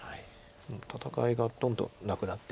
戦いがどんどんなくなって。